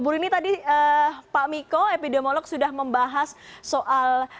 bu rini tadi pak miko epidemiolog sudah membahas soal